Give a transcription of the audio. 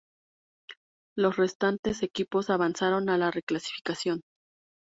Los restantes equipos avanzaron a la reclasificación.